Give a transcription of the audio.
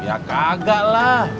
ya kagak lah